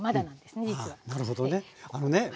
なるほどね。